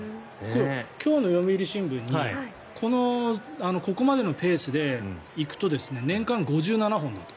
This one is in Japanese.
今日の読売新聞にここまでのペースで行くと年間５７本だと。